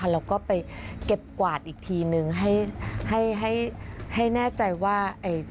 เราก็ไปเก็บกวาดอีกทีนึงให้แน่ใจว่า